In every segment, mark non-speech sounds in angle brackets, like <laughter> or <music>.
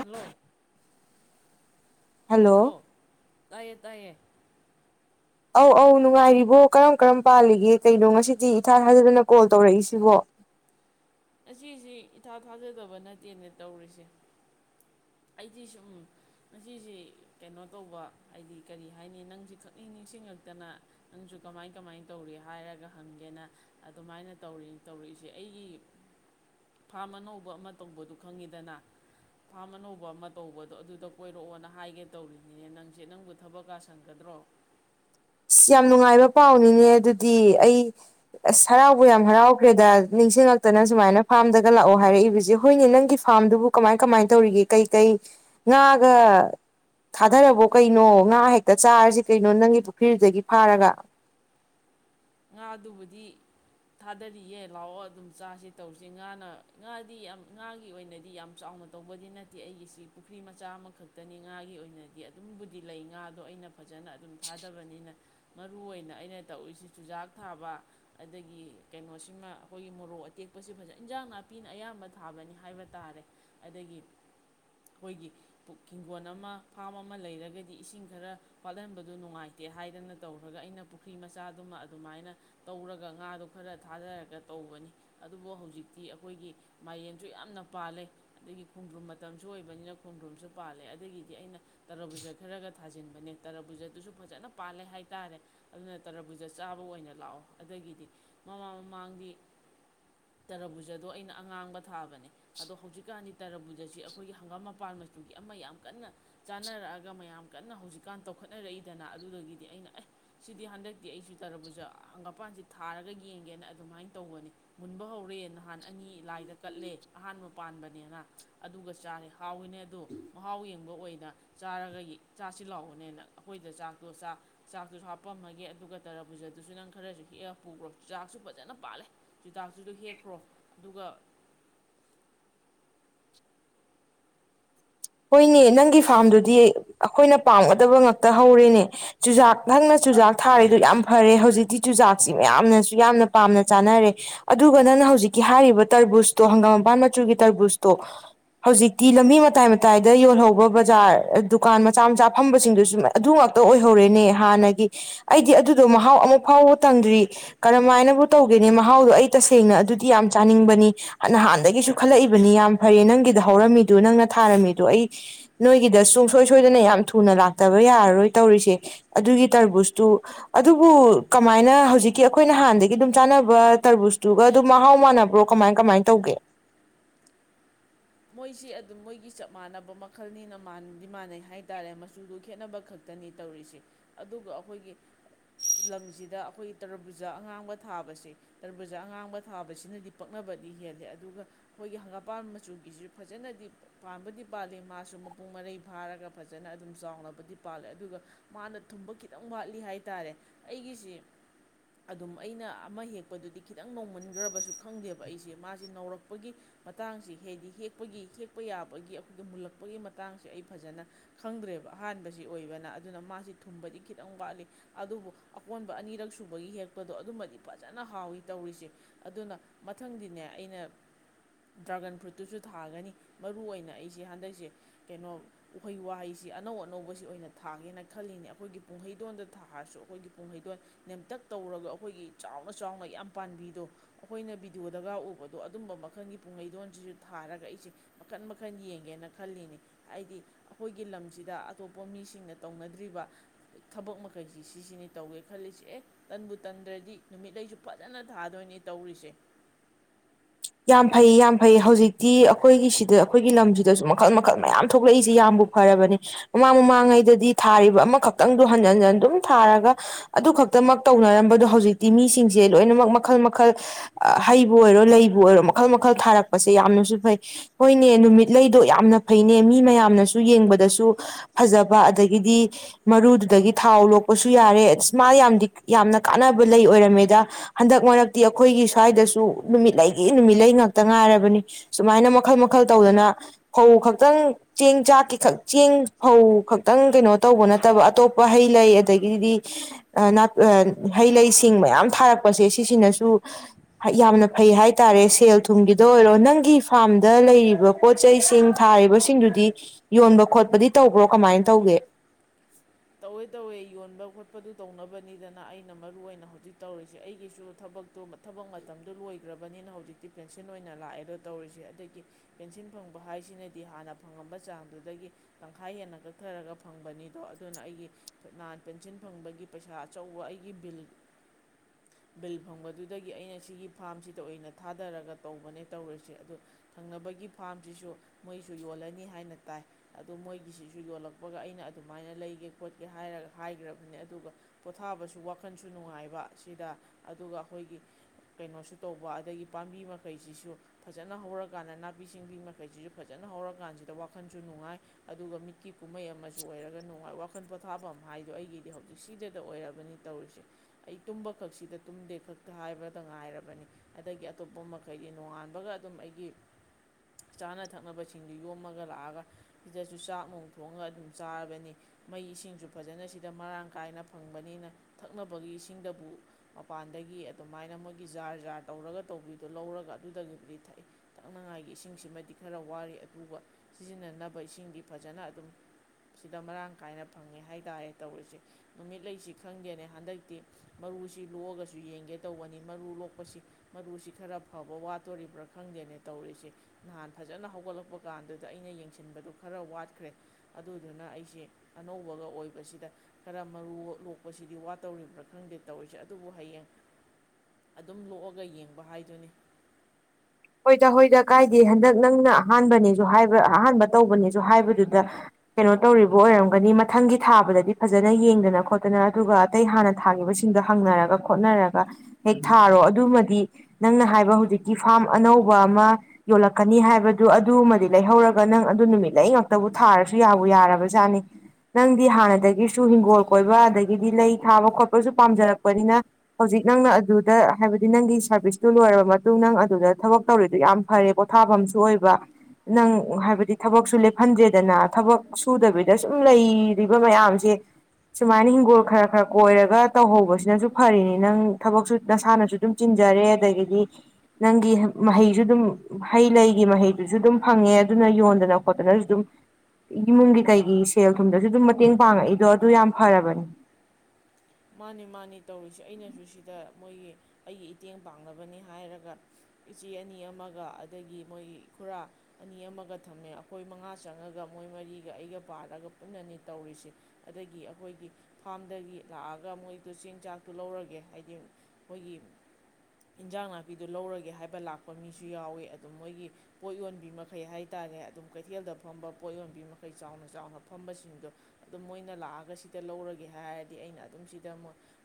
hello hello ꯇꯌꯦ ꯇꯌꯦ ꯑꯧ ꯑꯧ ꯅꯨꯡꯉꯥꯏꯔꯤꯕꯣ ꯀꯔꯝ ꯉꯁꯤꯁꯤ ꯏꯊꯥ ꯊꯥꯖꯗꯕ ꯅꯠꯇꯦꯅꯦ ꯇꯧꯔꯤꯁꯦ ꯑꯩꯗꯤ ꯁꯨꯝ ꯉꯁꯤꯁꯤ ꯀꯩꯅꯣ ꯇꯧꯕ ꯍꯥꯏꯗꯤ ꯀꯔꯤ ꯍꯥꯏꯅꯤ ꯅꯪꯁꯤ ꯈꯛꯅꯤꯡ ꯅꯤꯡꯁꯤꯡꯉꯛꯇꯅ ꯅꯪꯁꯨ ꯀꯃꯥꯏ ꯀꯃꯥꯏ ꯇꯧꯔꯤ ꯍꯥꯏꯔꯒ ꯍꯪꯒꯦꯅ ꯑꯗꯨꯃꯥꯏꯅ ꯇꯧꯔꯤ ꯇꯧꯔꯛꯏꯁꯦ ꯑꯩꯒꯤ ꯐꯥꯝ ꯑꯅꯧꯕ ꯑꯃ ꯇꯧꯕꯗꯨ ꯈꯪꯉꯤꯗꯅ ꯐꯥꯝ ꯑꯅꯧꯕ ꯑꯃ ꯇꯧꯕꯗꯣ ꯑꯗꯨꯗ ꯀꯣꯏꯔꯛꯑꯣꯅ ꯍꯥꯏꯒꯦ ꯇꯧꯔꯤꯅꯦ ꯅꯪꯁꯦ ꯅꯪꯕꯨ ꯊꯕꯛ ꯀꯥ ꯁꯡꯒꯗ꯭ꯔꯣ ꯑꯁ ꯌꯥꯝ ꯅꯨꯡꯉꯥꯏꯕ ꯄꯥꯎꯅꯤꯅꯦ ꯑꯗꯨꯗꯤ ꯑꯩ ꯑꯁ ꯍꯔꯥꯎꯕꯨ ꯌꯥꯝ ꯍꯔꯥꯎꯈ꯭ꯔꯦꯗ ꯅꯤꯡꯁꯤꯡꯉꯛꯇꯅ ꯁꯨꯃꯥꯏꯅ ꯐꯥꯔꯝꯗꯒ ꯂꯥꯛꯑꯣ ꯍꯥꯏꯔꯛꯏꯕꯁꯦ ꯍꯣꯏꯅꯦ ꯅꯪꯒꯤ ꯐꯥꯔꯝꯗꯨꯕꯨ ꯀꯃꯥꯏ ꯀꯃꯥꯏꯟ ꯇꯧꯔꯤꯒꯦ ꯀꯩꯀꯩ ꯉꯥꯒ ꯊꯥꯗꯔꯕꯣ ꯀꯩꯅꯣ ꯉꯥ ꯍꯦꯛꯇ ꯆꯥꯔꯁꯤ ꯀꯩꯅꯣ ꯅꯪꯒꯤ ꯈꯔꯤꯗꯨꯗꯒꯤ ꯐꯥꯔꯒ ꯉꯥꯗꯨꯕꯨꯗꯤ ꯊꯥꯗꯔꯤꯌꯦ ꯂꯥꯛꯑꯣ ꯑꯗꯨꯝ ꯆꯥꯁꯦ ꯇꯧꯁꯦ ꯉꯥꯅ ꯉꯥꯗꯤ ꯌꯥꯝ ꯉꯥꯒꯤ ꯑꯣꯏꯅꯗꯤ ꯌꯥꯝ ꯆꯥꯎꯅ ꯇꯧꯕꯗꯤ ꯅꯠꯇꯦ ꯑꯩꯒꯤꯁꯤ ꯄꯨꯈ꯭ꯔꯤ ꯃꯆꯥ ꯑꯃꯈꯛꯇꯅꯤ ꯉꯥꯒꯤ ꯑꯣꯏꯅꯗꯤ ꯑꯗꯨꯝꯕꯨꯗꯤ ꯂꯩ ꯉꯥꯗꯣ ꯑꯩꯅ ꯐꯖꯅ ꯑꯗꯨꯝ ꯊꯥꯗꯕꯅꯤꯅ ꯃꯔꯨ ꯑꯣꯏꯅ ꯑꯩꯅ ꯇꯧꯔꯤꯁꯤ ꯆꯨꯖꯥꯛ ꯊꯥꯕ ꯑꯗꯒꯤ ꯀꯩꯅꯣꯁꯤꯃ ꯑꯩꯈꯣꯏꯒꯤ ꯃꯣꯔꯣꯛ ꯑꯇꯦꯛꯄꯁꯤ ꯐꯖꯅ ꯏꯟꯖꯥꯡ ꯅꯥꯄꯤꯅ ꯑꯌꯥꯝꯕ ꯊꯥꯕꯅꯤ ꯍꯥꯏꯕ ꯇꯥꯔꯦ ꯑꯗꯒꯤ ꯑꯩꯈꯣꯏꯒꯤ ꯏꯪꯒꯣꯟ ꯑꯃ ꯐꯥꯝ ꯑꯃ ꯂꯩꯔꯒꯗꯤ ꯏꯁꯤꯡ ꯈꯔ ꯋꯥꯠꯍꯟꯕꯗꯣ ꯅꯨꯡꯉꯥꯏꯇꯦ ꯍꯥꯏꯗꯅ ꯇꯧꯔꯒ ꯑꯩꯅ ꯄꯨꯈ꯭ꯔꯤ ꯃꯆꯥꯗꯨꯃ ꯑꯗꯨꯃꯥꯏꯅ ꯇꯧꯔꯒ ꯉꯥꯗꯣ ꯈꯔ ꯊꯥꯗꯔꯒ ꯇꯧꯕꯅꯤ ꯑꯗꯨꯕꯨ ꯍꯧꯖꯤꯛꯇꯤ ꯑꯩꯈꯣꯏꯒꯤ ꯃꯥꯏꯌꯦꯟꯁꯨ ꯌꯥꯝꯅ ꯄꯥꯜꯂꯦ ꯑꯗꯒꯤ ꯈꯣꯡꯗ꯭ꯔꯨꯝ ꯃꯇꯝꯁꯨ ꯑꯣꯏꯕꯅꯤꯅ ꯈꯣꯡꯗ꯭ꯔꯨꯝꯁꯨ ꯄꯥꯜꯂꯦ ꯑꯗꯒꯤꯗꯤ ꯑꯩꯅ ꯇꯔꯕꯨꯖꯠ ꯈꯔꯒ ꯊꯥꯖꯤꯟꯕꯅꯦ ꯇꯔꯕꯨꯖꯗꯨꯨꯁꯨ ꯐꯖꯅ ꯄꯥꯜꯂꯦ ꯍꯥꯏꯇꯥꯔꯦ ꯑꯗꯨꯅ ꯇꯔꯕꯨꯖ ꯆꯥꯕ ꯑꯣꯏꯅ ꯂꯥꯛꯑꯣ ꯑꯗꯒꯤꯗꯤ ꯃꯃꯥꯡ ꯃꯃꯥꯡꯗꯤ ꯇꯔꯕꯨꯖꯗꯣ ꯑꯩꯅ ꯑꯉꯥꯡꯕ ꯊꯥꯕꯅꯤ ꯑꯗꯣ ꯍꯧꯖꯤꯛꯀꯥꯟꯗꯤ ꯇꯔꯕꯨꯗꯁꯤ ꯑꯩꯈꯣꯏꯒꯤ ꯍꯪꯒꯥꯝ ꯃꯄꯥꯟ ꯃꯆꯨꯒꯤ ꯑꯃ ꯌꯥꯝ ꯀꯟꯅ ꯆꯥꯅꯔꯛꯑꯒ ꯃꯌꯥꯝ ꯀꯟꯅ ꯍꯧꯖꯤꯛꯀꯥꯟ ꯇꯧꯈꯠꯅꯔꯛꯏꯗꯅ ꯑꯗꯨꯗꯒꯤꯗꯤ ꯑꯩꯅ ꯑꯦ ꯁꯤꯗꯤ ꯍꯟꯗꯛꯇꯤ ꯑꯩꯁꯨ ꯇꯔꯕꯖ ꯍꯪꯒꯝꯄꯥꯟꯁꯤ ꯊꯥꯔꯒ ꯌꯦꯡꯒꯦꯅ ꯑꯗꯨꯃꯥꯏꯅ ꯇꯧꯕꯅꯤ ꯃꯨꯟꯕ ꯍꯧꯔꯦ ꯅꯍꯥꯟ ꯑꯅꯤ ꯂꯥꯏꯗ ꯀꯠꯂꯦ ꯑꯍꯥꯟꯕ ꯄꯥꯟꯕꯅꯦꯅ ꯑꯗꯨꯒ ꯆꯥꯔꯦ ꯍꯥꯎꯋꯤꯅꯦ ꯑꯗꯨ ꯃꯍꯥꯎ ꯌꯦꯡ ꯑꯣꯏꯅꯥ ꯆꯔꯒꯥ ꯆꯥꯁꯤ ꯂꯛꯑꯣꯅꯦꯅ ꯑꯩꯈꯣꯏ ꯆꯥꯛꯇꯣ ꯆ ꯆꯥꯛꯇꯨꯖꯨ ꯍꯞꯄꯥꯝꯃꯒꯦ ꯑꯗꯨꯒ ꯇꯔꯕꯨꯖꯗꯨꯁꯨ ꯅꯪ ꯈꯔꯁꯨ ꯍꯦꯛꯑ ꯄꯨꯒꯔꯣ ꯆꯥꯛꯁꯨ ꯐꯖꯅ ꯄꯥꯜꯂꯦ ꯆꯨꯗꯥꯛꯇꯨꯖꯨ ꯍꯦꯛꯈꯔꯣ ꯑꯗꯨꯒ ꯍꯣꯏꯅꯦ ꯅꯪꯒꯤ ꯐꯥꯝꯗꯨꯗꯤ ꯑꯩꯈꯣꯏꯅ ꯄꯥꯝꯒꯗꯕ ꯉꯥꯛꯇ ꯍꯧꯔꯦꯅꯦ ꯆꯨꯖꯥꯛ ꯅꯪꯅ ꯆꯨꯖꯥꯛ ꯊꯥꯔꯤꯗꯨ ꯌꯥꯝ ꯐꯔꯦ ꯍꯧꯖꯤꯛꯇꯤ ꯆꯨꯖꯥꯛꯁꯤ ꯃꯌꯥꯝꯅꯁꯨ ꯌꯥꯝꯅ ꯄꯥꯝꯅ ꯆꯥꯅꯔꯦ ꯑꯗꯨꯒ ꯅꯪꯅ ꯍꯧꯖꯤꯛꯀꯤ ꯍꯥꯏꯔꯤꯕ ꯇꯔꯕꯨꯖꯇꯣ ꯍꯪꯒꯥꯝ ꯃꯄꯥꯟ ꯃꯆꯨꯒꯤ ꯇꯔꯕꯨꯖꯇꯣ ꯍꯧꯖꯤꯛꯇꯤ ꯂꯝꯕꯤ ꯃꯇꯥꯏ ꯇꯥꯏꯗ ꯌꯣꯜꯍꯧꯕ ꯕꯖꯥꯔ ꯗꯨꯀꯥꯟ ꯃꯆꯥ ꯃꯆꯥ ꯐꯝꯕꯁꯤꯡꯗꯨꯁꯨ ꯑꯗꯨ ꯉꯥꯛꯇ ꯑꯣꯏꯍꯧꯔꯦꯅꯦ ꯍꯥꯟꯅꯒꯤ ꯑꯩꯗꯤ ꯑꯗꯨꯗꯣ ꯃꯍꯥꯎ ꯑꯃꯨꯛ ꯐꯥꯎꯕ ꯇꯪꯗ꯭ꯔꯤ ꯀꯔꯝꯃꯥꯏꯅꯕꯨ ꯇꯧꯒꯦꯅꯦ ꯃꯍꯥꯎꯗꯣ ꯑꯩ ꯇꯁꯦꯡꯅ ꯑꯗꯨꯗꯤ ꯌꯥꯝ ꯆꯥꯅꯤꯡꯕꯅꯤ ꯅꯍꯥꯟꯗꯒꯤꯁꯨ ꯈꯜꯂꯛꯏꯕꯅꯤ ꯌꯥꯝ ꯐꯥꯔꯦ ꯅꯪꯒꯤꯗ ꯍꯧꯔꯝꯃꯤꯗꯨ ꯅꯪꯅ ꯊꯥꯔꯝꯃꯤ ꯗꯨ ꯑꯩ ꯅꯣꯏꯒꯤꯗ ꯁꯨꯡꯁꯣꯏ ꯁꯣꯏꯗꯅ ꯌꯥꯝ ꯊꯨꯅ ꯂꯥꯛꯇꯕ ꯌꯥꯔꯔꯣꯏ ꯇꯧꯔꯤꯁꯦ ꯑꯗꯨꯒꯤ ꯇꯔꯕꯨꯖꯇꯨ ꯑꯗꯨꯕꯨ ꯀꯃꯥꯏꯅ ꯍꯧꯖꯤꯛꯀꯤ ꯑꯩꯈꯣꯏꯅ ꯍꯥꯟꯗꯒꯤ ꯑꯗꯨꯝ ꯆꯥꯅꯕ ꯇꯔꯕꯨꯖꯇꯨꯒ ꯑꯗꯨꯝ ꯃꯍꯥꯎ ꯃꯥꯟꯅꯕ꯭ꯔꯣ ꯀꯃꯥꯏ ꯀꯃꯥꯏꯟ ꯇꯧꯒꯦ ꯃꯣꯏꯁꯤ ꯑꯗꯨꯝ ꯃꯣꯏꯒꯤ ꯆꯞ ꯃꯥꯟꯅꯕ ꯃꯈꯜꯅꯤꯅ ꯃꯥꯟꯗꯤ ꯃꯥꯟꯅꯩ ꯍꯥꯏ ꯇꯥꯔꯦ ꯃꯆꯨꯗꯣ ꯈꯦꯠꯅꯕ ꯈꯛꯇꯅꯤ ꯇꯧꯔꯤꯁꯦ ꯑꯗꯨꯒ ꯑꯈꯣꯏꯒꯤ ꯂꯝꯁꯤꯗ ꯑꯈꯣꯏꯒꯤ ꯇꯔꯕꯨꯖꯥ ꯑꯉꯥꯡꯕ ꯊꯥꯕꯁꯦ ꯇꯔꯕꯨꯖꯥ ꯑꯉꯥꯡꯕ ꯊꯥꯕꯁꯤꯅꯗꯤ ꯄꯛꯅꯕꯗꯤ ꯍꯦꯜꯂꯦ ꯑꯗꯨꯒ ꯑꯩꯈꯣꯏꯒꯤ ꯍꯪꯒꯥꯝꯄꯜ ꯃꯆꯨꯒꯤꯁꯤ ꯐꯖꯅꯗꯤ ꯄꯥꯟꯕꯗꯤ ꯄꯥꯜꯂꯤ ꯃꯥꯁꯨ ꯃꯄꯨꯡ ꯃꯔꯩ ꯐꯥꯔꯒ ꯐꯖꯅ ꯑꯗꯨꯝ ꯆꯥꯎꯅꯕꯗꯤ ꯄꯥꯜꯂꯤ ꯑꯗꯨꯒ ꯃꯥꯅ ꯊꯨꯝꯕ ꯈꯤꯇꯪ ꯋꯥꯠꯂꯤ ꯍꯥꯏꯇꯥꯔꯦ ꯑꯩꯒꯤꯁꯤ ꯑꯗꯨꯝ ꯑꯩꯅ ꯑꯃ ꯍꯦꯛꯄꯗꯨꯗꯤ ꯈꯤꯇꯪ ꯅꯧꯃꯟꯒꯔꯕꯁꯨ ꯈꯪꯗꯦꯕ ꯑꯩꯁꯦ ꯃꯥꯁꯤ ꯅꯧꯔꯛꯄꯒꯤ ꯃꯇꯥꯡꯁꯤ ꯍꯦꯛꯄꯒꯤ ꯍꯦꯛꯄ ꯌꯥꯕꯒꯤ ꯑꯩꯈꯣꯏꯒꯤ ꯃꯨꯜꯂꯛꯄꯒꯤ ꯃꯇꯥꯡꯁꯦ ꯑꯩ ꯐꯖꯅ ꯈꯪꯗ꯭ꯔꯦꯕ ꯑꯍꯥꯟꯕꯁꯤ ꯑꯣꯏꯕꯅ ꯑꯗꯨꯅ ꯃꯥꯁꯤ ꯊꯨꯝꯕꯗꯤ ꯈꯤꯇꯪ ꯋꯥꯠꯂꯤ ꯑꯗꯨꯕꯨ ꯑꯀꯣꯟꯕ ꯑꯅꯤꯔꯛ ꯁꯨꯕꯒꯤ ꯍꯦꯛꯄꯗꯣ ꯑꯗꯨꯃꯗꯤ ꯐꯖꯅ ꯍꯥꯎꯋꯤ ꯇꯧꯔꯤꯁꯦ ꯑꯗꯨꯅ ꯃꯊꯪꯗꯤꯅꯦ ꯑꯩꯅ ꯗꯔꯒꯟ ꯐ꯭ꯔꯨꯠ ꯇꯨꯁꯨ ꯊꯥꯒꯅꯤ ꯃꯔꯨ ꯑꯣꯏꯅ ꯑꯩꯁꯦ ꯍꯟꯗꯛꯁꯦ ꯀꯩꯅꯣ ꯎꯍꯩ ꯋꯥꯍꯩꯁꯤ ꯑꯅꯧ ꯑꯅꯧꯕꯁꯤ ꯑꯣꯏꯅ ꯊꯥꯒꯦꯅ ꯈꯜꯂꯤꯅꯦ ꯑꯩꯈꯣꯏꯒꯤ ꯄꯨꯡꯍꯩꯗꯣꯟꯗ ꯊꯥꯔꯁꯨ ꯑꯩꯈꯣꯏꯒꯤ ꯄꯨꯡꯍꯩꯗꯣꯟ ꯅꯦꯝꯇꯛ ꯇꯧꯔꯒ ꯑꯩꯈꯣꯏꯒꯤ ꯆꯥꯎꯅ ꯆꯥꯎꯅ ꯌꯥꯝ ꯄꯥꯟꯕꯤꯗꯣ ꯑꯩꯈꯣꯏꯅ ꯕꯤꯗꯤꯑꯣ ꯗꯒꯥ ꯎꯕꯗꯣ ꯑꯗꯨꯝꯕ ꯃꯈꯜꯒꯤ ꯄꯨꯡꯍꯩꯗꯣꯟꯁꯤ ꯊꯥꯔꯒ ꯑꯩꯁꯦ ꯃꯈꯟ ꯃꯈꯟ ꯌꯦꯡꯒꯦꯅ ꯈꯜꯂꯤꯅꯤ ꯍꯥꯏꯗꯤ ꯑꯩꯈꯣꯏꯒꯤ ꯂꯝꯁꯤꯗ ꯑꯇꯣꯞꯄ ꯃꯤꯁꯤꯡꯅ ꯇꯧꯅꯗ꯭ꯔꯤꯕ ꯊꯕꯛ ꯃꯈꯩꯁꯤ ꯁꯤꯁꯤꯅꯤ ꯇꯧꯒꯦ ꯈꯜꯂꯤꯁꯦ ꯑꯦ ꯇꯟꯕꯨ ꯇꯟꯗ꯭ꯔꯗꯤ ꯅꯨꯃꯤꯠꯂꯩꯁꯨ ꯐꯖꯅ ꯊꯥꯗꯣꯏꯅꯤ ꯇꯧꯔꯤꯁꯦ ꯌꯥꯝ ꯐꯩ ꯌꯥꯝ ꯐꯩ ꯍꯧꯖꯤꯛꯇꯤ ꯑꯩꯈꯣꯏꯒꯤ ꯁꯤꯗ ꯑꯩꯈꯣꯏꯒꯤ ꯂꯝꯖꯤꯗꯁꯨ ꯃꯈꯜ ꯃꯈꯜ ꯃꯌꯥꯝ ꯊꯣꯛꯂꯛꯏꯁꯤ ꯌꯥꯝꯕꯨ ꯐꯔꯕꯅꯦ ꯃꯃꯥꯡ ꯃꯃꯥꯡꯉꯩꯗꯗꯤ ꯊꯥꯔꯤꯕ ꯑꯃꯈꯛꯇꯪꯗꯣ ꯍꯟꯖꯟ ꯍꯟꯖꯟ ꯗꯨꯝ ꯊꯥꯔꯒ ꯑꯗꯨ ꯈꯛꯇꯃꯛ ꯇꯧꯅꯔꯝꯕꯗꯣ ꯍꯧꯖꯤꯛꯇꯤ ꯃꯤꯁꯤꯡꯁꯦ ꯂꯣꯏꯅꯃꯛ ꯃꯈꯜ ꯃꯈꯜ ꯍꯩꯕꯨ ꯑꯣꯏꯔꯣ ꯂꯩ ꯕꯨ ꯑꯣꯏꯔꯣ ꯃꯈꯜ ꯃꯈꯜ ꯊꯥꯔꯛꯄꯁꯦ ꯌꯥꯝꯅꯁꯨ ꯐꯩ ꯍꯣꯏꯅꯦ ꯅꯨꯃꯤꯠ ꯂꯩꯗꯣ ꯌꯥꯝꯅ ꯐꯩꯅꯦ ꯃꯤ ꯃꯌꯥꯝꯅꯁꯨ ꯌꯦꯡꯕꯗꯁꯨ ꯐꯖꯕ ꯑꯗꯒꯤꯗꯤ ꯃꯔꯨꯗꯨꯗꯒꯤ ꯊꯥꯎ ꯂꯣꯛꯄꯁꯨ ꯌꯥꯔꯦ <unintelligible> ꯃꯥ ꯌꯥꯝꯗꯤ ꯌꯥꯝꯅ ꯀꯥꯟꯅꯕ ꯂꯩ ꯑꯣꯏꯔꯝꯃꯦꯗ ꯍꯟꯗꯛ ꯃꯔꯛꯇꯤ ꯑꯩꯈꯣꯏꯒꯤ ꯁ꯭ꯋꯥꯏꯗꯁꯨ ꯅꯨꯃꯤꯠꯂꯩ ꯅꯨꯃꯤꯠꯂꯩ ꯉꯥꯛꯛꯇ ꯉꯥꯏꯔꯕꯅꯤ ꯁꯨꯃꯥꯏꯅ ꯃꯈꯜ ꯃꯈꯜ ꯇꯧꯗꯅ ꯐꯧ ꯈꯛꯇꯪ ꯆꯦꯡ ꯆꯥꯛꯀꯤ ꯈꯛ ꯆꯦꯡ ꯐꯧ ꯈꯛꯇꯪ ꯀꯩꯅꯣ ꯇꯧꯕ ꯅꯠꯇꯕ ꯑꯇꯣꯞꯄ ꯍꯩ ꯂꯩ ꯑꯗꯒꯤꯗꯤ ꯍꯩ ꯂꯩꯁꯤꯡ ꯃꯌꯥꯝ ꯊꯥꯔꯛꯄꯁꯦ ꯁꯤꯁꯤꯅꯁꯨ ꯌꯥꯝꯅ ꯐꯩ ꯍꯥꯏ ꯇꯥꯔꯦ ꯁꯦꯜ ꯊꯨꯝꯒꯤꯗ ꯑꯣꯏꯔꯣ ꯅꯪꯒꯤ ꯐꯥꯔꯝꯗ ꯂꯩꯔꯤꯕ ꯄꯣꯠ ꯆꯩꯁꯤꯡ ꯊꯥꯔꯤꯕꯁꯤꯡꯗꯨꯗꯤ ꯌꯣꯟꯕ ꯈꯣꯠꯄꯗꯤ ꯇꯧꯕ꯭ꯔꯣ ꯀꯃꯥꯏꯅ ꯇꯧꯒꯦ ꯇꯧꯋꯦ ꯇꯧꯋꯦ ꯌꯣꯟꯕ ꯈꯣꯠꯄꯗꯨ ꯇꯧꯅꯕꯅꯤꯗꯅ ꯑꯩꯅ ꯃꯔꯨ ꯑꯣꯏꯅ ꯍꯧꯖꯤꯛ ꯇꯧꯔꯤꯁꯦ ꯑꯩꯒꯤꯁꯨ ꯊꯕꯛꯇꯣ ꯊꯕꯛ ꯃꯇꯝꯗꯨ ꯂꯣꯏꯒꯔꯕꯅꯤꯅ ꯍꯧꯖꯤꯛꯇꯤ ꯄꯦꯟꯁꯤꯟ ꯑꯣꯏꯅ ꯂꯥꯛꯑꯦꯗꯣ ꯇꯧꯔꯤꯁꯦ ꯑꯗꯒꯤ ꯄꯦꯟꯁꯤꯟ ꯐꯪꯕ ꯍꯥꯏꯁꯤꯅꯗꯤ ꯍꯥꯟꯅ ꯐꯪꯉꯝꯕ ꯆꯥꯡꯗꯨꯗꯒꯤ ꯇꯪꯈꯥꯏ ꯍꯦꯟꯅ ꯀꯛꯊꯔꯒ ꯐꯪꯕꯅꯤꯗꯣ ꯑꯗꯨꯅ ꯑꯩꯒꯤ ꯅꯍꯟ ꯄꯦꯟꯁꯤꯟ ꯐꯪꯕꯒꯤ ꯄꯩꯁꯥ ꯑꯆꯧꯕ ꯑꯩꯒꯤ ꯕꯤꯜ ꯕꯤꯜ ꯐꯪꯕꯗꯨꯗꯒꯤ ꯑꯩꯅ ꯁꯤꯒꯤ ꯐꯥꯝꯁꯤꯗ ꯑꯣꯏꯅ ꯊꯥꯗꯔꯒ ꯇꯧꯕꯅꯦ ꯇꯧꯔꯤꯁꯦ ꯑꯗꯨ ꯊꯪꯅꯕꯒꯤ ꯐꯥꯝꯁꯤꯁꯨ ꯃꯣꯏꯁꯨ ꯌꯣꯜꯂꯅꯤ ꯍꯥꯏꯅ ꯇꯥꯏ ꯑꯗꯨ ꯃꯣꯏꯒꯤꯁꯤꯁꯨ ꯌꯣꯜꯂꯛꯄꯒ ꯑꯩꯅ ꯑꯗꯨꯃꯥꯏꯅ ꯂꯩ ꯒꯦ ꯈꯣꯠꯀꯦ ꯍꯥꯏꯔꯒ ꯍꯥꯏꯒꯔꯕꯅꯦ ꯑꯗꯨꯒ ꯄꯣꯊꯥꯕꯁꯨ ꯋꯥꯈꯜꯁꯨ ꯅꯨꯡꯉꯥꯏꯕ ꯁꯤꯗ ꯑꯗꯨꯒ ꯑꯈꯣꯏꯒꯤ ꯀꯩꯅꯣꯁꯨ ꯇꯧꯕ ꯑꯗꯒꯤ ꯄꯥꯝꯕꯤ ꯃꯈꯩꯁꯤꯁꯨ ꯐꯖꯅ ꯍꯧꯔꯀꯥꯟꯗ ꯅꯥꯄꯤ ꯁꯤꯡꯕꯤ ꯃꯈꯩꯁꯤꯁꯨ ꯐꯖꯅ ꯍꯧꯔꯀꯥꯟꯁꯤꯗ ꯋꯥꯈꯜꯁꯨ ꯅꯨꯡꯉꯥꯏ ꯑꯗꯨꯒ ꯃꯤꯠꯀꯤ ꯀꯨꯝꯍꯩ ꯑꯃꯁꯨ ꯑꯣꯏꯔꯒ ꯅꯨꯡꯉꯥꯏ ꯋꯥ ꯋꯥꯈꯟ ꯄꯣꯊꯥꯐꯝ ꯍꯥꯏꯗꯣ ꯑꯩꯒꯤꯗꯤ ꯍꯧꯖꯤꯛ ꯁꯤꯗ ꯑꯣꯏꯔꯕꯅꯤ ꯇꯧꯔꯤꯁꯦ ꯑꯩ ꯇꯨꯝꯕꯈꯛ ꯁꯤꯗ ꯇꯨꯝꯗꯦ ꯈꯛꯇ ꯍꯥꯏꯕꯗ ꯉꯥꯏꯔꯕꯅꯤ ꯑꯗꯒꯤ ꯑꯇꯣꯞꯄ ꯃꯈꯩꯒꯤ ꯅꯣꯡꯉꯥꯟꯕꯒ ꯑꯗꯨꯝ ꯑꯩꯒꯤ ꯆꯥꯅ ꯊꯛꯅꯕꯁꯤꯡꯗꯨ ꯌꯣꯝꯃꯒ ꯂꯥꯛꯑꯒ ꯁꯤꯗꯁꯨ ꯆꯥꯛ ꯅꯨꯡ ꯊꯣꯡꯉ ꯑꯗꯨꯝ ꯆꯥꯔꯕꯅꯤ ꯃꯩ ꯏꯁꯤꯡꯁꯨ ꯐꯖꯅ ꯁꯤꯗ ꯃꯔꯥꯡ ꯀꯥꯏꯅ ꯐꯪꯕꯅꯤꯅ ꯊꯛꯅꯕꯒꯤ ꯏꯁꯤꯡꯗꯕꯨ ꯃꯄꯥꯟꯗꯒꯤ ꯑꯗꯨꯃꯥꯏꯅ ꯃꯣꯏꯒꯤ ꯖꯥꯔ ꯖꯥꯔ ꯇꯧꯔꯒ ꯇꯧꯕꯤꯗꯣ ꯂꯧꯔꯒ ꯑꯗꯨꯗꯒꯤꯕꯨꯗꯤ ꯊꯛꯏ ꯊꯛꯅꯉꯥꯏꯒꯤ ꯏꯁꯤꯡꯁꯤꯃꯗꯤ ꯈꯔ ꯋꯥꯔꯤ ꯑꯗꯨꯒ ꯁꯤꯖꯤꯟꯅꯅꯕ ꯏꯁꯤꯡꯗꯤ ꯐꯖꯅ ꯑꯗꯨꯝ ꯁꯤꯗ ꯃꯔꯥꯡ ꯀꯥꯏꯅ ꯐꯪꯉꯦ ꯍꯥꯏꯇꯥꯔꯦ ꯇꯧꯔꯤꯁꯦ ꯅꯨꯃꯤꯠ ꯂꯩꯁꯤ ꯈꯪꯗꯦꯅꯦ ꯍꯟꯗꯛꯇꯤ ꯃꯔꯨꯁꯤ ꯂꯣꯛꯑꯒꯁꯨ ꯌꯦꯡꯒꯦ ꯇꯧꯕꯅꯤ ꯃꯔꯨ ꯂꯣꯛꯄꯁꯤ ꯃꯔꯨꯁꯤ ꯈꯔ ꯐꯕ ꯋꯥꯠꯇꯣꯔꯤꯕ꯭ꯔꯥ ꯈꯪꯗꯦꯅꯦ ꯇꯧꯔꯤꯁꯦ ꯅꯍꯥꯟ ꯐꯖꯅ ꯍꯧꯒꯠꯂꯛꯄ ꯀꯥꯟꯗꯨꯗ ꯑꯩꯅ ꯌꯦꯡꯁꯤꯟꯕꯗꯨ ꯈꯔ ꯋꯥꯠꯈ꯭ꯔꯦ ꯑꯗꯨꯗꯨꯅ ꯑꯩꯁꯦ ꯑꯅꯧꯕꯒ ꯑꯣꯏꯕꯁꯤꯗ ꯈꯔ ꯃꯔꯨ ꯂꯣꯛꯄꯁꯤꯗꯤ ꯋꯥꯠꯇꯧꯔꯤꯕ꯭ꯔꯥ ꯈꯪꯗꯦ ꯇꯧꯔꯤꯁꯦ ꯑꯗꯨꯕꯨ ꯍꯌꯦꯡ ꯑꯗꯨꯝ ꯂꯣꯛꯑꯒ ꯌꯦꯡꯕ ꯍꯥꯏꯗꯨꯅꯤ ꯍꯣꯏꯗ ꯍꯣꯏꯗ ꯀꯥꯏꯗꯦ ꯍꯟꯗꯛ ꯅꯪꯅ ꯑꯍꯥꯟꯕꯅꯦꯖꯨ ꯍꯥꯏꯕ ꯑꯍꯥꯟꯕ ꯇꯧꯕꯅꯤꯖꯨ ꯍꯥꯏꯕꯗꯨꯗ ꯀꯩꯅꯣ ꯇꯧꯔꯤꯕ ꯑꯣꯏꯔꯝꯒꯅꯤ ꯃꯊꯪꯒꯤ ꯊꯥꯕꯗꯗꯤ ꯐꯖꯅ ꯌꯦꯡꯗꯅ ꯈꯣꯠꯇꯅ ꯑꯗꯨꯒ ꯑꯇꯩ ꯍꯥꯟꯅ ꯊꯥꯒꯤꯕꯁꯤꯡꯗ ꯍꯪꯅꯔꯒ ꯈꯣꯠꯅꯔꯒ ꯍꯦꯛ ꯊꯥꯔꯣ ꯑꯗꯨꯃꯗꯤ ꯅꯪꯅ ꯍꯥꯏꯕ ꯍꯧꯖꯤꯛꯀꯤ ꯐꯥꯝ ꯑꯅꯧꯕ ꯑꯃ ꯌꯣꯜꯂꯛꯀꯅꯤ ꯍꯥꯏꯕꯗꯨ ꯑꯗꯨꯃ ꯂꯩꯍꯧꯔꯒ ꯅꯪ ꯑꯗꯨ ꯅꯨꯃꯤꯠ ꯂꯩ ꯉꯥꯛꯛꯇꯕꯨ ꯊꯥꯔꯁꯨ ꯌꯥꯕꯨ ꯌꯥꯔꯕꯖꯥꯠꯅꯤ ꯅꯪꯗꯤ ꯍꯥꯟꯅꯗꯒꯤꯁꯨ ꯍꯤꯡꯒꯣꯜ ꯀꯣꯏꯕ ꯑꯗꯒꯤꯗꯤ ꯂꯩ ꯊꯥꯕ ꯈꯣꯠꯄꯁꯨ ꯄꯥꯝꯖꯔꯛꯄꯅꯤꯅ ꯍꯧꯖꯤꯛ ꯅꯪꯅ ꯑꯗꯨꯗ ꯍꯥꯏꯕꯗꯤ ꯅꯪꯒꯤ ꯁꯥꯔꯚꯤꯁꯇꯨ ꯂꯣꯏꯔ ꯃꯇꯨꯡ ꯅꯪ ꯑꯗꯨꯗ ꯊꯕꯛ ꯇꯧꯔꯤꯗꯣ ꯌꯥꯝ ꯐꯔꯦ ꯄꯣꯊꯥꯐꯝꯁꯨ ꯑꯣꯏꯕ ꯅꯪ ꯍꯥꯏꯕꯗꯤ ꯊꯕꯛꯁꯨ ꯂꯦꯞꯍꯟꯗ꯭ꯔꯦꯗꯅ ꯊꯕꯛ ꯁꯨꯗꯕꯤꯗ ꯁꯨꯝ ꯂꯩꯔꯤꯕ ꯃꯌꯥꯝꯁꯦ ꯁꯨꯃꯥꯏꯅ ꯍꯤꯡꯒꯣꯜ ꯈꯔ ꯈꯔ ꯀꯣꯏꯔꯒ ꯇꯧꯍꯧꯕꯁꯤꯅꯁꯨ ꯐꯔꯤꯅꯤ ꯅꯪ ꯊꯕꯛꯁꯨ ꯅꯁꯥꯅꯁꯨ ꯑꯗꯨꯝ ꯆꯤꯟꯖꯔꯦ ꯑꯗꯒꯤꯗꯤ ꯅꯪꯒꯤ ꯃꯍꯩꯁꯨ ꯑꯗꯨꯝ ꯍꯩ ꯂꯩꯒꯤ ꯃꯍꯩꯗꯨꯁꯨ ꯑꯗꯨꯝ ꯐꯪꯉꯦ ꯑꯗꯨꯅ ꯌꯣꯟꯗꯅ ꯈꯣꯠꯇꯅꯁꯨ ꯑꯗꯨꯝ ꯏꯃꯨꯡꯒꯤ ꯀꯩꯒꯤ ꯁꯦꯜ ꯊꯨꯝꯗꯁꯨ ꯑꯗꯨꯝ ꯃꯇꯦꯡ ꯄꯥꯡꯉꯛꯏꯗꯣ ꯑꯗꯨ ꯌꯥꯝ ꯐꯔꯕꯅꯤ ꯃꯥꯅꯤ ꯃꯥꯅꯤ ꯇꯧꯔꯤꯁꯦ ꯑꯩꯅꯁꯨ ꯁꯤꯗ ꯃꯣꯏꯒꯤ ꯑꯩꯒꯤ ꯃꯇꯦꯡ ꯄꯥꯡꯅꯕꯅꯤ ꯍꯥꯏꯔꯒ ꯏꯆꯦ ꯑꯅꯤ ꯑꯃꯒ ꯑꯗꯒꯤ ꯃꯣꯏꯒꯤ ꯈꯨꯨꯔꯥ ꯑꯅꯤ ꯑꯃꯒ ꯊꯝꯃꯦ ꯑꯩꯈꯣꯏ ꯃꯉꯥ ꯆꯪꯉꯒ ꯃꯣꯏ ꯃꯔꯤꯒ ꯑꯩꯒ ꯄꯥꯔꯒ ꯄꯨꯟꯅꯅꯦ ꯇꯧꯔꯤꯁꯦ ꯑꯗꯒꯤ ꯑꯩꯈꯣꯏꯒꯤ ꯐꯥꯝꯗꯒꯤ ꯂꯥꯛꯑꯒ ꯃꯣꯏꯗꯣ ꯆꯦꯡꯆꯥꯛꯇꯣ ꯂꯧꯔꯒꯦ ꯍꯥꯏꯗꯤ ꯃꯣꯏꯒꯤ ꯏꯟꯖꯥꯡ ꯅꯥꯄꯤꯗꯨ ꯂꯧꯔꯒꯦ ꯍꯥꯏꯕ ꯂꯥꯛꯄ ꯃꯤꯁꯨ ꯌꯥꯎꯋꯤ ꯑꯗꯨꯝ ꯃꯣꯏꯒꯤ ꯄꯣꯠ ꯌꯣꯟꯕꯤ ꯃꯈꯩ ꯍꯥꯏꯇꯥꯔꯦ ꯑꯗꯨꯝ ꯀꯩꯊꯦꯜꯗ ꯐꯝꯕ ꯄꯣꯠ ꯌꯣꯟꯕꯤ ꯃꯈꯩ ꯆꯥꯎꯅ ꯆꯥꯎꯅ ꯐꯝꯕꯁꯤꯡꯗꯣ ꯑꯗꯨꯝ ꯃꯣꯏꯅ ꯂꯥꯛꯑꯒ ꯁꯤꯗ ꯂꯧꯔꯒꯦ ꯍꯥꯏ ꯑꯩꯅ ꯑꯗꯨꯝ ꯁꯤꯗ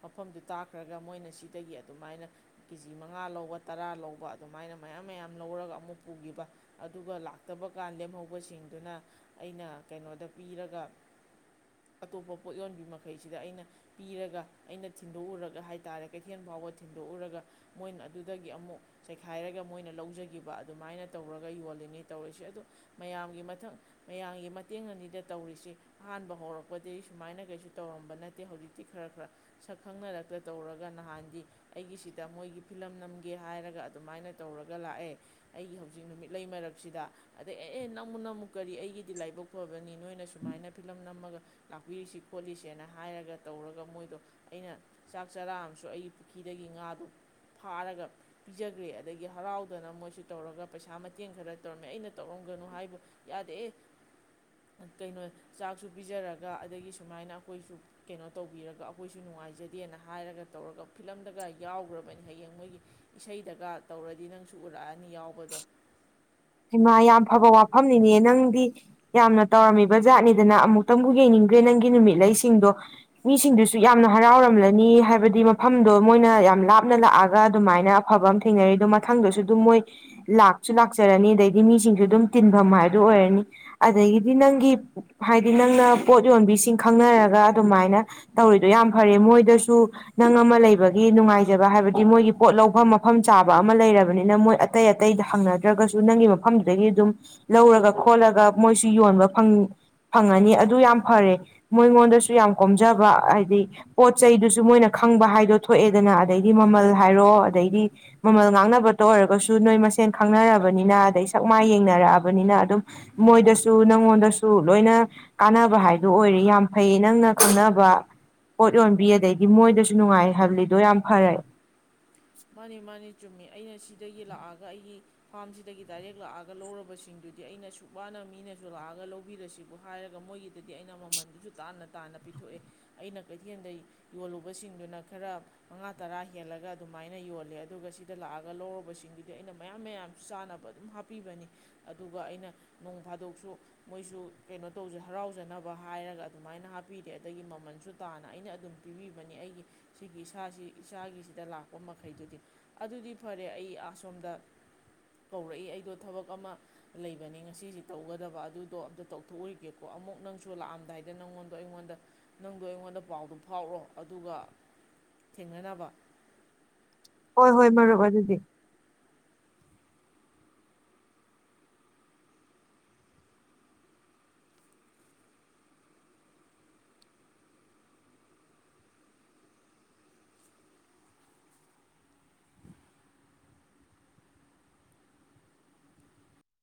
ꯃꯐꯝꯗꯨ ꯇꯛꯈ꯭ꯔꯒ ꯃꯣꯏꯅ ꯁꯤꯗꯒꯤ ꯑꯗꯨꯃꯥꯏꯅ ꯀꯦ ꯖꯤ ꯃꯉꯥ ꯂꯧꯕ ꯇꯔꯥ ꯂꯧꯕ ꯑꯗꯨꯃꯥꯏꯅ ꯃꯌꯥꯝ ꯃꯌꯥꯝ ꯂꯧꯔꯒ ꯑꯃꯨꯛ ꯄꯨꯒꯤꯕ ꯑꯗꯨꯒ ꯂꯥꯛꯇꯕ ꯀꯥꯟ ꯂꯦꯝꯍꯧꯕꯁꯤꯡꯗꯨꯅ ꯑꯩꯅ ꯀꯩꯅꯣꯗ ꯄꯤꯔꯒ ꯑꯇꯣꯞꯄ ꯄꯣꯠ ꯌꯣꯟꯕꯤ ꯃꯈꯩ ꯁꯤꯗ ꯑꯩꯅ ꯄꯤꯔꯒ ꯑꯩꯅ ꯊꯤꯟꯗꯣꯛꯎꯔꯒ ꯍꯥꯏꯇꯥꯔꯦ ꯀꯩꯊꯦꯜ ꯐꯥꯎꯕ ꯊꯤꯟꯗꯣꯛꯎꯔꯒ ꯃꯣꯏꯅ ꯑꯗꯨꯗꯒꯤ ꯑꯃꯨꯛ ꯆꯥꯏꯈꯥꯏꯔꯒ ꯃꯣꯏꯅ ꯂꯧꯖꯒꯤꯕ ꯑꯗꯨꯃꯥꯏꯅ ꯇꯧꯔꯒ ꯌꯣꯜꯂꯤꯅꯦ ꯇꯧꯔꯤꯁꯦ ꯑꯗꯣ ꯃꯌꯥꯝꯒꯤ ꯃꯊꯪ ꯃꯌꯥꯝꯒꯤ ꯃꯇꯦꯡ ꯑꯅꯤꯗ ꯇꯧꯔꯤꯁꯤ ꯑꯍꯥꯟꯕ ꯍꯧꯔꯛꯄꯗꯒꯤ ꯁꯨꯃꯥꯏꯅ ꯀꯩꯁꯨ ꯇꯧꯔꯝꯕ ꯅꯠꯇꯦ ꯍꯧꯖꯤꯛꯇꯤ ꯈꯔ ꯈꯔ ꯁꯛ ꯈꯪꯅꯔꯛꯇ ꯇꯧꯔꯒ ꯅꯍꯥꯟꯗꯤ ꯑꯩꯒꯤꯁꯤꯗ ꯃꯣꯏꯒꯤ ꯐꯤꯂꯝ ꯅꯝꯒꯦ ꯍꯥꯏꯔꯒ ꯑꯗꯨꯃꯥꯏꯅ ꯇꯧꯔꯒ ꯂꯥꯛꯑꯦ ꯑꯩꯒꯤ ꯍꯧꯖꯤꯛ ꯅꯨꯃꯤꯠ ꯂꯩ ꯃꯔꯛꯁꯤꯗ ꯑꯗꯩ ꯑꯦ ꯑꯦ ꯅꯝꯃꯨ ꯅꯝꯃꯨ ꯀꯔꯤ ꯑꯩꯒꯤꯗꯤ ꯂꯥꯏꯕꯛ ꯐꯕꯅꯤ ꯅꯣꯏꯅ ꯁꯨꯃꯥꯏꯅ ꯐꯤꯂꯝ ꯅꯝꯃꯒ ꯂꯥꯛꯄꯤꯔꯤꯁꯤ ꯈꯣꯠꯂꯤꯁꯦꯅ ꯍꯥꯏꯔꯒ ꯇꯧꯔꯒ ꯃꯣꯏꯗꯣ ꯑꯩꯅ ꯆꯥꯛ ꯆꯔꯥ ꯑꯃꯁꯨ ꯑꯩꯒꯤ ꯄꯨꯈ꯭ꯔꯤꯗꯒꯤ ꯉꯥꯗꯣ ꯐꯥꯔꯒ ꯄꯤꯖꯈ꯭ꯔꯦ ꯑꯗꯒꯤ ꯍꯔꯥꯎꯗꯅ ꯃꯣꯏꯁꯨ ꯇꯧꯔꯒ ꯄꯩꯁꯥ ꯃꯇꯦꯡ ꯈꯔ ꯇꯧꯔꯝꯃꯦ ꯑꯩꯅ ꯇꯧꯔꯝꯒꯅꯨ ꯍꯥꯏꯕ ꯌꯥꯗꯦ ꯀꯩꯅꯣ ꯆꯥꯛꯁꯨ ꯄꯤꯖꯔꯒ ꯑꯗꯒꯤ ꯁꯨꯃꯥꯏꯅ ꯑꯩꯈꯣꯏꯁꯨ ꯀꯩꯅꯣ ꯇꯧꯕꯤꯔꯒ ꯑꯩꯈꯣꯏꯁꯨ ꯅꯨꯡꯉꯥꯏꯖꯗꯦꯅ ꯍꯥꯏꯔꯒ ꯇꯧꯔꯒ ꯐꯤꯂꯝꯗꯒ ꯌꯥꯎꯈ꯭ꯔꯕꯅꯤ ꯍꯌꯦꯡ ꯃꯣꯏꯒꯤ ꯏꯁꯩꯗꯒ ꯇꯧꯔꯗꯤ ꯅꯪꯁꯨ ꯎꯔꯛꯑꯅꯤ ꯌꯥꯎꯕꯗꯣ ꯏꯃꯥ ꯌꯥꯝ ꯐꯕ ꯋꯥꯐꯝꯅꯤꯅꯦ ꯅꯪꯗꯤ ꯌꯥꯝꯅ ꯇꯧꯔꯝꯃꯤꯕ ꯖꯥꯠꯅꯤꯗꯅ ꯑꯃꯨꯛꯇꯪꯕꯨ ꯌꯦꯡꯅꯤꯡꯗ꯭ꯔꯦ ꯅꯪꯒꯤ ꯅꯨꯃꯤꯠꯂꯁꯤꯡꯗꯣ ꯃꯤꯁꯤꯡꯗꯨꯁꯨ ꯌꯥꯝꯅ ꯍꯔꯥꯎꯔꯝꯂꯅꯤ ꯍꯥꯏꯕꯗꯤ ꯃꯐꯝꯗꯣ ꯃꯣꯏꯅ ꯌꯥꯝ ꯂꯥꯞꯅ ꯂꯥꯛꯑꯒ ꯑꯗꯨꯃꯥꯏꯅ ꯑꯐꯕ ꯑꯃ ꯊꯦꯡꯅꯔꯤ ꯑꯗ ꯃꯊꯪꯗꯁꯨ ꯑꯗꯨꯝ ꯃꯣꯏ ꯂꯥꯛꯁꯨ ꯂꯥꯛ ꯆꯆꯔꯅꯤ ꯑꯗꯩꯗꯤ ꯃꯤꯁꯤꯡꯁꯨ ꯑꯗꯨꯝ ꯇꯤꯟꯐꯝ ꯍꯥꯏꯗꯨ ꯑꯣꯏꯔꯅꯤ ꯑꯗꯒꯤꯗꯤ ꯅꯪꯒꯤ ꯍꯥꯏꯗꯤ ꯅꯪꯅ ꯄꯣꯠ ꯌꯣꯟꯕꯤꯁꯤꯡ ꯈꯪꯅꯔꯒ ꯑꯗꯨꯃꯥꯏꯅ ꯇꯧꯔꯤꯗꯣ ꯌꯥꯝ ꯐꯔꯦ ꯃꯣꯏꯗꯁꯨ ꯅꯪ ꯑꯃ ꯂꯩꯕꯒꯤ ꯅꯨꯡꯉꯥꯏꯖꯕ ꯍꯥꯏꯕꯗꯤ ꯃꯣꯏꯒꯤ ꯄꯣꯠ ꯂꯧꯐꯝ ꯃꯐꯝ ꯆꯥꯕ ꯑꯃ ꯂꯩꯔꯕꯅꯤꯅ ꯃꯣꯏ ꯑꯇꯩ ꯑꯇꯩꯗꯪꯅ ꯅꯠꯇ꯭ꯔꯒꯁꯨ ꯅꯪꯒꯤ ꯃꯐꯝꯗꯨꯗꯒꯤ ꯑꯗꯨꯝ ꯂꯧꯔꯒ ꯈꯣꯠꯂꯒ ꯃꯣꯏꯁꯨ ꯌꯣꯟꯕ ꯐꯪꯉꯅꯤ ꯑꯗꯨ ꯌꯥꯝ ꯐꯔꯦ ꯃꯣꯏꯉꯣꯟꯗꯁꯨ ꯌꯥꯝ ꯀꯣꯝꯖꯕ ꯍꯥꯏꯗꯤ ꯄꯣꯠ ꯆꯩꯗꯨꯁꯨ ꯃꯣꯏꯅ ꯈꯪꯕ ꯍꯥꯏꯗꯣ ꯊꯣꯛꯑꯦꯗꯅ ꯑꯗꯩꯗꯤ ꯃꯃꯜ ꯍꯥꯏꯔꯣ ꯑꯗꯩꯗꯤ ꯃꯃꯜ ꯉꯥꯡꯅꯕꯇ ꯑꯣꯏꯔꯒꯁꯨ ꯅꯣꯏ ꯃꯁꯦꯟ ꯈꯪꯅꯔꯕꯅꯤꯅ ꯑꯗꯩ ꯁꯛ ꯃꯥꯏ ꯌꯦꯡꯅꯔꯛꯑꯕꯅꯤꯅ ꯑꯗꯨꯝ ꯃꯣꯏꯗꯁꯨ ꯅꯪꯉꯣꯟꯗꯁꯨ ꯂꯣꯏꯅ ꯀꯥꯟꯅꯕ ꯍꯥꯏꯗꯣ ꯑꯣꯏꯔꯦ ꯌꯥꯝ ꯐꯩ ꯅꯪꯅ ꯈꯪꯅꯕ ꯄꯣꯠ ꯌꯣꯟꯕꯤ ꯑꯗꯩꯗꯤ ꯃꯣꯏꯗꯁꯨ ꯅꯨꯡꯉꯥꯏ ꯍꯥꯏꯕꯜꯂꯤꯗꯣ ꯌꯥꯝ ꯐꯔꯦ ꯃꯥꯅꯤ ꯃꯥꯅꯤ ꯆꯨꯝꯃꯤ ꯑꯩꯅ ꯁꯤꯗꯒꯤ ꯂꯥꯛꯑꯒ ꯑꯩꯒꯤ ꯐꯥꯝꯁꯤꯗꯒꯤ ꯗꯥꯏꯔꯦꯛ ꯂꯥꯛꯑꯒ ꯂꯧꯔꯕꯁꯤꯡꯗꯨꯗꯤ ꯑꯩꯅ ꯁꯨ ꯋꯥꯅ ꯃꯤꯅꯁꯨ ꯂꯥꯛꯑꯒ ꯂꯧꯕꯤꯔꯁꯤꯕꯨ ꯍꯥꯏꯔꯒ ꯃꯣꯏꯒꯤꯗꯗꯤ ꯑꯩꯅ ꯃꯃꯟꯗꯨꯁꯨ ꯇꯥꯅ ꯇꯥꯅ ꯄꯤꯊꯣꯛꯑꯦ ꯑꯩꯅ ꯀꯩꯊꯦꯜꯗ ꯌꯣꯜꯂꯨꯕꯁꯤꯡꯗꯨꯅ ꯈꯔ ꯃꯉꯥ ꯇꯔꯥ ꯍꯦꯜꯂꯒ ꯑꯗꯨꯝ ꯑꯗꯨꯃꯥꯏꯅ ꯌꯣꯜꯂꯦ ꯑꯗꯨꯒ ꯁꯤꯗ ꯂꯥꯛꯑꯒ ꯂꯧꯔꯕꯁꯤꯡꯗꯨꯗꯤ ꯑꯩꯅ ꯃꯌꯥꯝ ꯃꯌꯥꯝꯁꯨ ꯆꯥꯟꯅꯕ ꯑꯗꯨꯝ ꯍꯥꯞꯄꯤꯕꯅꯤ ꯑꯗꯨꯒ ꯑꯩꯅ ꯅꯣꯡ ꯐꯥꯗꯣꯛꯁꯨ ꯃꯣꯏꯁꯨ ꯀꯩꯅꯣ ꯇꯧꯖ ꯍꯔꯥꯎꯖꯅꯕ ꯍꯥꯏꯔꯒ ꯑꯗꯨꯃꯥꯏꯅ ꯍꯥꯞꯄꯤꯔꯦ ꯑꯗꯒꯤ ꯃꯃꯜꯁꯨ ꯇꯥꯅ ꯑꯩꯅ ꯑꯗꯨꯝ ꯄꯤꯕꯤꯕꯅꯤ ꯑꯩꯒꯤ ꯁꯤꯒꯤ ꯏꯁꯥꯁꯤ ꯏꯁꯥꯒꯤꯁꯤꯗ ꯂꯥꯛ ꯄ ꯃꯈꯩꯗꯨꯗꯤ ꯑꯗꯨꯗꯤ ꯐꯔꯦ ꯑꯩ ꯑꯁꯣꯝꯗ ꯀꯧꯔꯛꯏ ꯑꯩꯗꯣ ꯊꯕꯛ ꯑꯃ ꯂꯩꯕꯅꯤ ꯉꯁꯤꯁꯤ ꯇꯧꯒꯗꯕ ꯑꯗꯨꯗꯣ ꯑꯝꯇ ꯇꯧꯊꯣꯛꯎꯔꯤꯒꯦꯀꯣ ꯑꯃꯨꯛ ꯅꯪꯁꯨ ꯂꯥꯛꯑꯝꯗꯥꯏꯗ ꯅꯪꯉꯣꯟꯗꯣ ꯑꯩꯉꯣꯟꯗ ꯅꯪꯗꯣ ꯑꯩꯉꯣꯟꯗ ꯄꯥꯎꯗꯣ ꯐꯥꯎꯔꯣ ꯑꯗꯨꯒ ꯊꯦꯡꯅꯅꯕ ꯍꯣꯏ ꯍꯣꯏ ꯃꯔꯨꯞ ꯑꯗꯨꯗꯤ